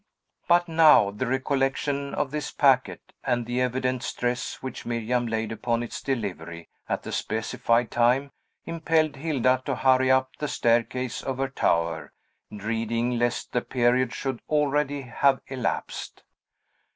But now the recollection of this packet, and the evident stress which Miriam laid upon its delivery at the specified time, impelled Hilda to hurry up the staircase of her tower, dreading lest the period should already have elapsed.